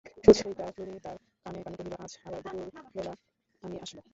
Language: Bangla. সুচরিতা ললিতার কানে কানে কহিল, আজ আবার দুপুরবেলা আমি আসব।